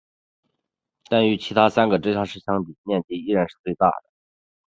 但与其他三个直辖市相比面积依然是最大的。